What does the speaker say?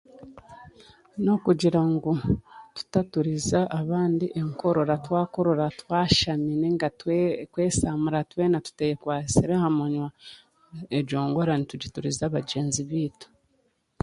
N'okugira ngu tutaaturiza abandi enkorora twakorera twashami nainga twe kwesaamura twena tuteekwatsire aha munwa egyo ngwara nitugituriza bagyenzi baitu